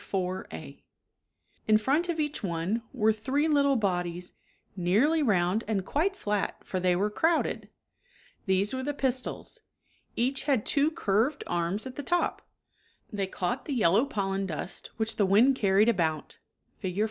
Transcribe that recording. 4, a) In front of each one were three little bodies, nearly round and quite flat for they were crowded. These were the pistils. ' Each had two curved arms at the top. They caught the yellow pollen dust which the wind carried s mature conbs. about (Fig.